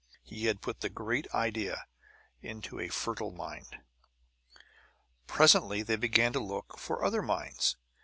He had put the great idea into a fertile mind. Presently they began to look for other minds.